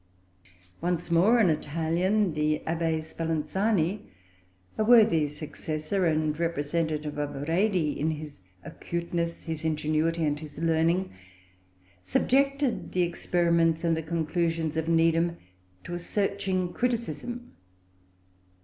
Once more, an Italian, the Abbé Spallanzani, a worthy successor and representative of Redi in his acuteness, his ingenuity, and his learning, subjected the experiments and the conclusions of Needham to a searching criticism.